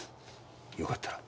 よかったら。